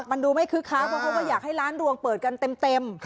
มันดูไม่คึกคักเพราะเขาก็อยากให้ร้านรวงเปิดกันเต็ม